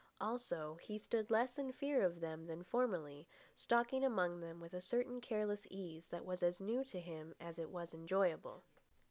Also, he stood less in fear of them than formerly, stalking among them with a certain careless ease that was as new to him as it was enjoyable.